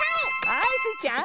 はいスイちゃん。